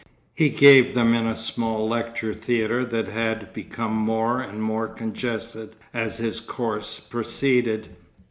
He gave them in a small lecture theatre that had become more and more congested as his course proceeded.